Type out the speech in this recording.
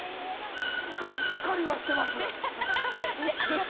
がっかりはしています。